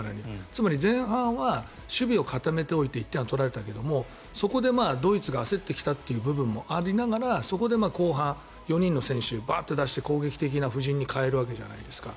つまり、前半は守備を固めておいて１点は取られたけどもそこでドイツが焦ってきたという部分もありながらそこで後半、４人の選手バーッて出して攻撃的な布陣に変えるわけじゃないですか。